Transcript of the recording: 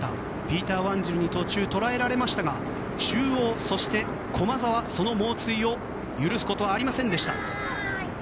ピーター・ワンジルに途中、捉えられましたが中央、駒澤の猛追を許すことはありませんでした。